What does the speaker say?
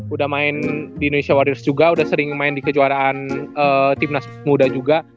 udah main di indonesia waters juga udah sering main di kejuaraan timnas muda juga